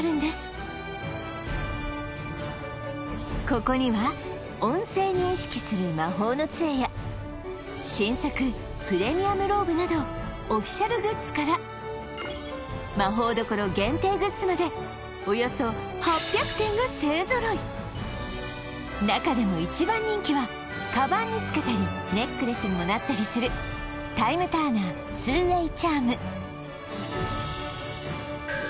ここには音声認識する魔法の杖や新作ＰｒｅｍｉｕｍローブなどオフィシャルグッズからＭａｈｏｕＤｏｋｏｒｏ限定グッズまでおよそ８００点が勢ぞろい中でも一番人気はカバンにつけたりネックレスにもなったりするタイムターナー２ｗａｙチャーム